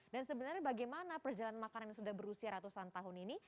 dan sebenarnya bagaimana perjalanan makanan yang sudah berusia ratusan tahun ini